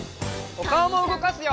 おかおもうごかすよ！